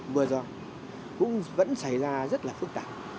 vừa rồi cũng vẫn xảy ra rất là phức tạp